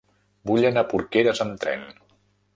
Vull anar a Porqueres amb tren.